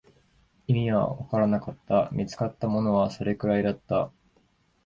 意味はわからなかった、見つかったものはそれくらいだった